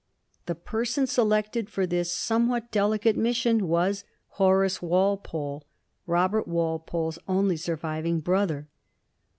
The person selected for this somewhat delicate mission was Horace Walpole, Robert Walpole's only surviving brother.